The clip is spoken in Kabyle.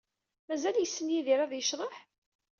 Mazal yessen Yidir ad yecḍeḥ?